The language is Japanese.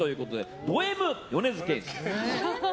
ドＭ米津玄師。